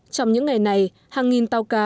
trong những ngày này hàng nghìn tàu cá